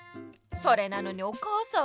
それなのにお母さんは。